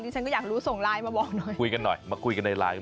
ฉันก็อยากรู้ส่งไลน์มาบอกหน่อยคุยกันหน่อยมาคุยกันในไลน์